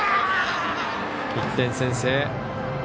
１点先制。